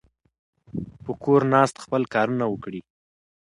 په کور ناست خپل کارونه وکړئ.